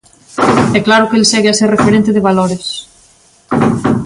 E claro que el segue a ser referente de valores.